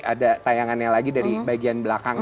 ada tayangannya lagi dari bagian belakang